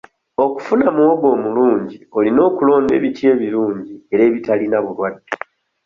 Okufuna muwogo omulungi olina okulonda ebiti ebirungi era ebitalina bulwadde.